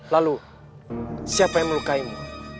lalu siapa yang melukaimu